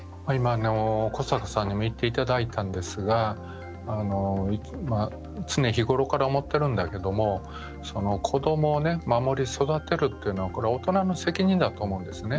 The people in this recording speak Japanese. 古坂さんにも言っていただいたんですが常日頃から思ってるんだけども子どもを守り育てるっていうのは大人の責任だと思うんですね。